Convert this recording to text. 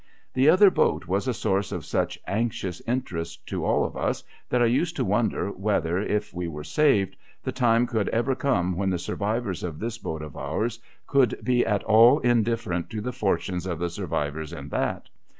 The other boat was a source of such anxious interest to all of us that I used to wonder whether, if we were saved, the time could ever come when the survivors in this boat of ours could be at all indifferent to the fortunes of the survivors in that.